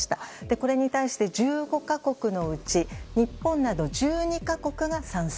これに対して、１５か国のうち日本など１２か国が賛成。